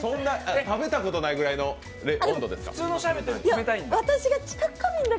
食べたことないぐらいの温度ですか？